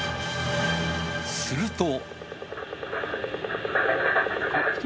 すると。